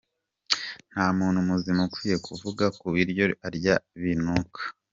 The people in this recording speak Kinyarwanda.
Nta muntu muzima ukwiye kuvuga ko ibiryo arya binuka.